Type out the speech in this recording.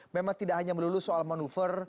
memang tidak hanya melulu soal manuver